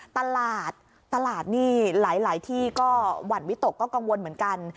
ตลาดตลาดนี่หลายที่ก็หวั่นวิตกก็กังวลเหมือนกัน